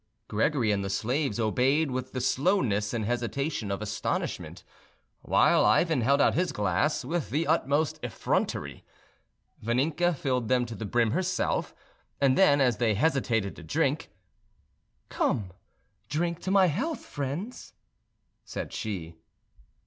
Gregory and the slaves obeyed with the slowness and hesitation of astonishment, while Ivan held out his glass with the utmost effrontery. Vaninka filled them to the brim herself, and then, as they hesitated to drink, "Come, drink to my health, friends," said she.